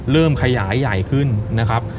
เริ่มขยายใหญ่ขึ้นนะครับ